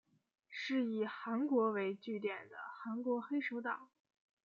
是以韩国为据点的韩国黑手党。